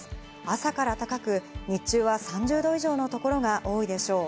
朝から高く、日中は３０度以上の所が多いでしょう。